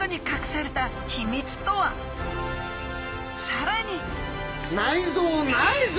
さらに！